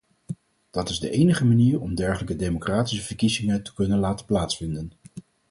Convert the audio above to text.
Dat is de enige manier om dergelijke democratische verkiezingen te kunnen laten plaatsvinden.